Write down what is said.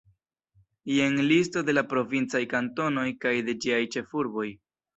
Jen listo de la provincaj kantonoj kaj de ĝiaj ĉefurboj.